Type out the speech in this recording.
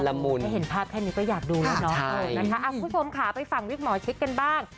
ละมุนคุณสมขาวไปฟังวิสหมอชิกกันบ้าง